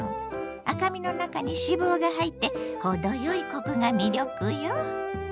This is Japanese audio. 赤身の中に脂肪が入って程よいコクが魅力よ。